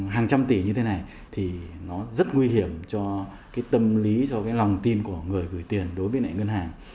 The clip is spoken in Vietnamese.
hàng trăm tỷ như thế này thì nó rất nguy hiểm cho tâm lý cho lòng tin của người gửi tiền đối với ngân hàng